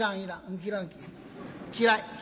嫌い。